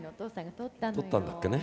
撮ったんだっけね。